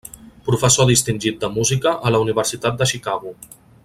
Professor distingit de música a la Universitat de Chicago.